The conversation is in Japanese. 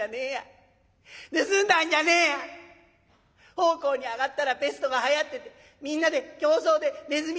奉公に上がったらペストがはやっててみんなで競争でネズミ捕まえるんだ。